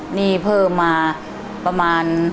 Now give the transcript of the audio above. หนี้เพิ่มมาประมาณ